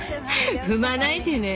踏まないでね！